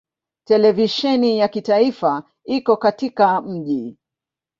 Televisheni ya kitaifa iko katika mji.